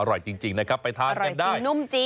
อร่อยจริงนะครับไปทานกันได้